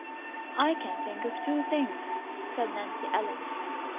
"I can think of two things," said Nancy Ellen.